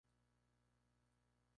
Netherrealm y Warner Bros.